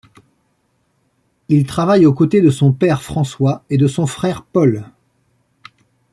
Il travaille aux côtés de son père François et de son frère Paul.